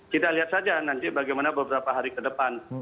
kita lihat saja nanti bagaimana beberapa hari ke depan